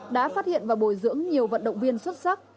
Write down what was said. đã phát hiện và bồi dưỡng nhiều vận động viên xuất sắc